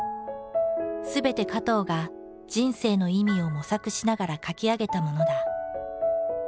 すべて加藤が人生の意味を模索しながら書き上げたものだ。